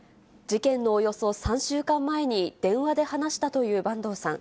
事件のおよそ３週間前に、電話で話したという坂東さん。